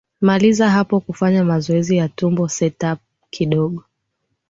maliza hapo ukafanya mazoezi ya tumbo set up kidogo